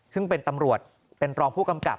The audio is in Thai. ซึ่งเป็นตำรวจเป็นรองผู้กำกับ